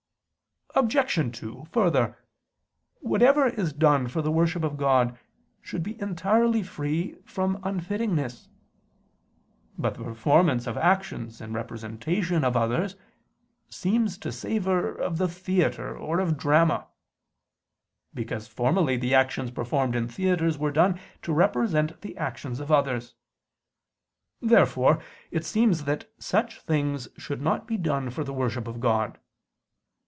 Obj. 2: Further, whatever is done for the worship of God, should be entirely free from unfittingness. But the performance of actions in representation of others, seems to savor of the theatre or of the drama: because formerly the actions performed in theatres were done to represent the actions of others. Therefore it seems that such things should not be done for the worship of God.